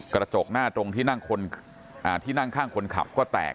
กระจกหน้าตรงที่นั่งข้างคนขับก็แตก